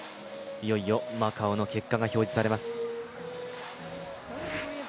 マカオの結果が表示されます。